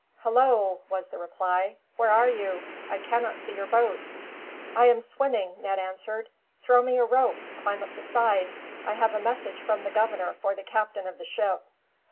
"Hullo!" was the reply. "Where are you? I cannot see your boat." "I am swimming," Ned answered. "Throw me a rope, to climb up the side. I have a message from the governor for the captain of the ship."